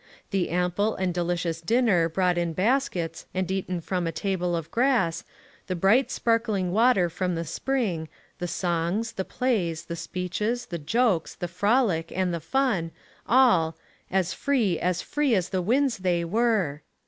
The ample and delicious dinner brought in baskets, and eaten from a table of grass, the bright, sparkling water from the spring, the songs, the plays, the speeches, the jokes, the frolic, and the fun, all —«* As free, as free as the winds they were